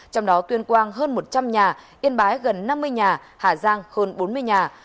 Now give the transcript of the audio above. trong đó tuyên quang hơn một trăm linh nhà yên bái gần năm mươi nhà hà giang hơn bốn mươi nhà